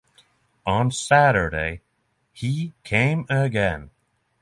On Saturday he came again.